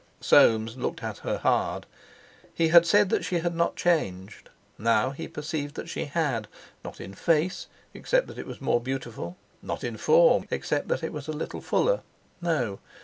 Soames looked at her hard. He had said that she had not changed; now he perceived that she had. Not in face, except that it was more beautiful; not in form, except that it was a little fuller—no!